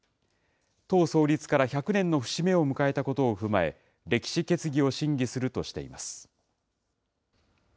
党創立から１００年の節目を迎えたことを踏まえ、歴史決議を審議するとしています。